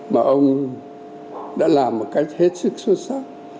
mà ông đã làm một cách hết sức sâu sắc